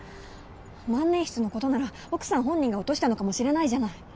万年筆のことなら奥さん本人が落としたのかもしれないじゃない。